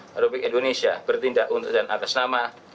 merbik indonesia bertindak untuk jalan atas nama